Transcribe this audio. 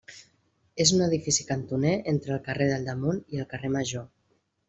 És un edifici cantoner entre el carrer del Damunt i el carrer Major.